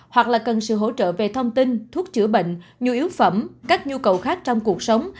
hoặc là cần sự hỗ trợ về thông tin thuốc chữa bệnh nhu yếu phẩm các nhu cầu khác trong cuộc sống